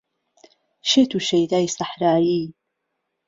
شێت و شەیدای سەحرایی